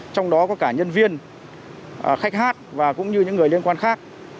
trong đó có cả nhân viên khách hát và cũng như những người liên quan khác